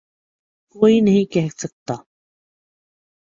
کوئی نہیں کہہ سکتا۔